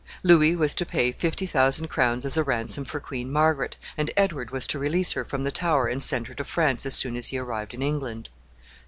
Louis was to pay fifty thousand crowns as a ransom for Queen Margaret, and Edward was to release her from the Tower and send her to France as soon as he arrived in England.